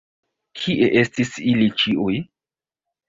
Kie estis ili ĉiuj?